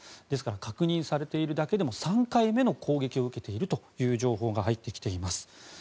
ですから確認されているだけでも３回目の攻撃を受けているという情報が入ってきています。